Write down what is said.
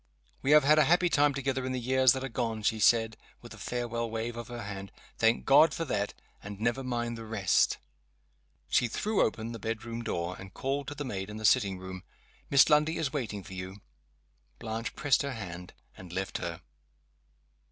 "We have had a happy time together in the years that are gone," she said, with a farewell wave of her hand. "Thank God for that! And never mind the rest." She threw open the bedroom door, and called to the maid, in the sitting room. "Miss Lundie is waiting for you." Blanche pressed her hand, and left her.